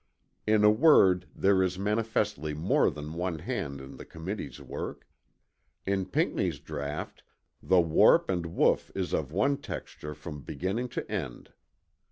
In a word there is manifestly more than one hand in the Committee's work. In Pinckney's draught the warp and woof is of one texture from beginning to end.